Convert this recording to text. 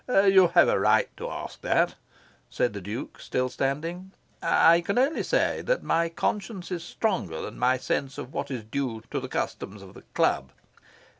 "You have a right to ask that," said the Duke, still standing. "I can only say that my conscience is stronger than my sense of what is due to the customs of the club.